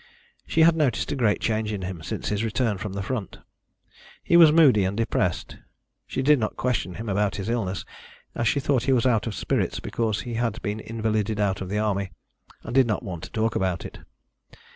She had noticed a great change in him since his return from the front. He was moody and depressed. She did not question him about his illness, as she thought he was out of spirits because he had been invalided out of the Army, and did not want to talk about it.